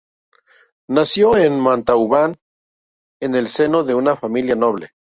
Nació en Montauban, en el seno de una familia noble.